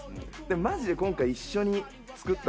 でもマジで今回一緒に作ったもんね。